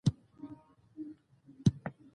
رومیان د هر ډوډۍ برخه وي